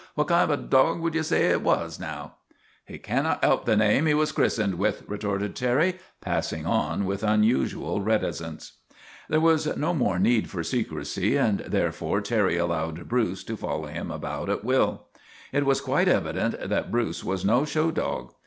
" What kind of a dog would ye say it was, now ?'" He cannot help the name he was christened with," retorted Terry, passing on with unusual reti cence. THE TWA DOGS O' GLENFERGUS 35 There was no more need for secrecy, and there after Terry allowed Bruce to follow him about at will. It was quite evident that Bruce was no show dog.